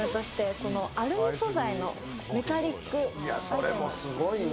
それもすごいね。